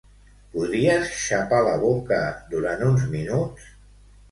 Podries xapar la boca durant uns minuts?